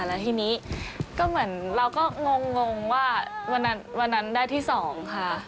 แล้วทีนี้ก็เหมือนเราก็งงว่าวันนั้นได้ที่๒ค่ะ